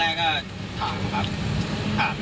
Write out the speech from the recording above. ถามแล้วพอนี้ก็มามากันเต็มเลย